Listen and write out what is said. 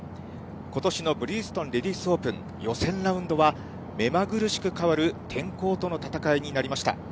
ことしのブリヂストンレディスオープン、予選ラウンドは、目まぐるしく変わる天候との戦いになりました。